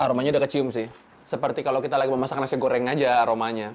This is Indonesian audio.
aromanya udah kecium sih seperti kalau kita lagi memasak nasi goreng aja aromanya